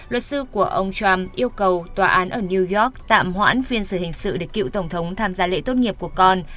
luật sư của ông trump yêu cầu tòa án ở new york tạm hoãn phiên xử hình sự để cựu tổng thống tham gia lễ tốt nghiệp của con